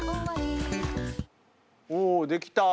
おできた。